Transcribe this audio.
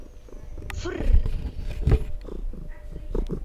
Фррр!..